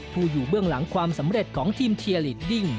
อยู่เบื้องหลังความสำเร็จของทีมเทียลีดดิ้ง